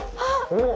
おっ！